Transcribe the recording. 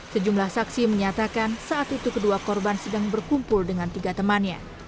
sejumlah saksi menyatakan saat itu kedua korban sedang berkumpul dengan tiga temannya